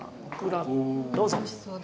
どうぞ。